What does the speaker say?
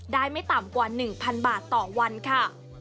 ได้ไม่ต่ำกว่าหนึ่งพันบาทต่อวันค่ะ